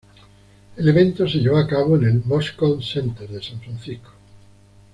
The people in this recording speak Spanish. El evento se llevó a cabo en el "Moscone Center" de San Francisco.